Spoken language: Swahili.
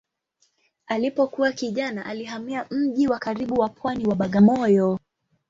Alipokuwa kijana alihamia mji wa karibu wa pwani wa Bagamoyo.